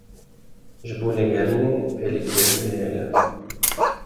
Ji bo lêgerînê, pêlîkirî bihêle.